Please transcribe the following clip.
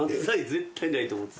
絶対ないと思ってた。